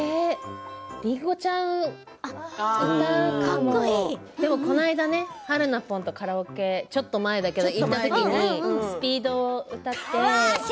林檎ちゃん歌うかもでもこないだねはるなぽんとカラオケちょっと前に行ったときにＳＰＥＥＤを歌って。